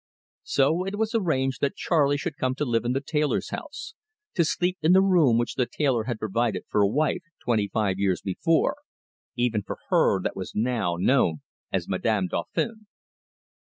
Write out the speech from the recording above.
So it was arranged that Charley should come to live in the tailor's house, to sleep in the room which the tailor had provided for a wife twenty five years before even for her that was now known as Madame Dauphin.